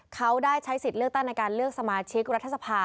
เขาได้ใช้สิทธิ์เลือกตั้งในการเลือกสมาชิกรัฐสภา